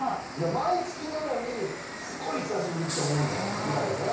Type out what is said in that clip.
毎月なのにすごい久しぶりって思うんだくらいね。